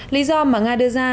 lý do mà nga đưa ra